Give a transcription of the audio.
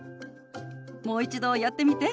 もう一度やってみて。